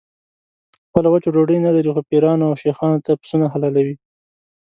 خپله وچه ډوډۍ نه لري خو پیرانو او شیخانو ته پسونه حلالوي.